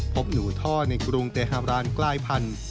พบหนูท่อในกรุงเตฮารานกลายพันธุ์